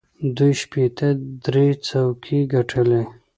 دوی شپېته درې څوکۍ ګټلې.